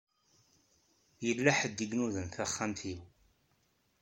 Yella ḥedd i inudan taxxamt-iw.